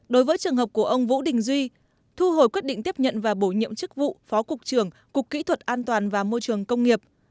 đối với trường hợp của ông vũ đình duy thu hồi quyết định tiếp nhận và bổ nhiệm chức vụ phó cục trưởng cục kỹ thuật an toàn và môi trường công nghiệp